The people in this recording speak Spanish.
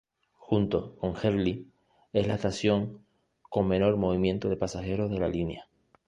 Junto con Gerli, es la estación con menor movimiento de pasajeros de la línea.